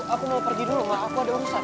aku mau pergi dulu malah aku ada urusan